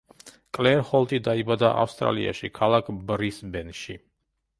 კლერ ჰოლტი დაიბადა ავსტრალიაში, ქალაქ ბრისბენში.